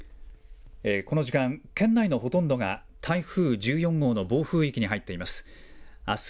この時間、県内のほとんどが台風１４号の暴風域に入っています。